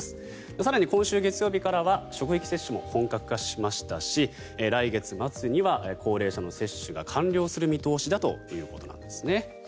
更に今週月曜日から職域接種も本格化しましたし来月末には高齢者の接種が完了する見通しだということなんですね。